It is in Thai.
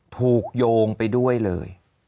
ถูกโยงไปด้วยเลย